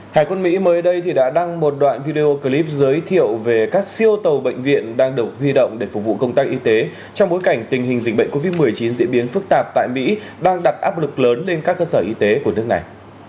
hải quân mỹ mới đây đã đăng một đoạn video clip giới thiệu về các siêu tàu bệnh viện đang được huy động để phục vụ công tác y tế trong bối cảnh tình hình dịch bệnh covid một mươi chín diễn biến phức tạp tại mỹ đang đặt áp lực lớn lên các cơ sở y tế của nước này